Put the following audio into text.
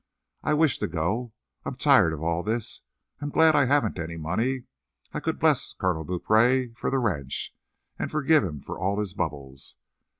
I wish to go. I'm tired of all this. I'm glad I haven't any money. I could bless Colonel Beaupree for that ranch, and forgive him for all his bubbles.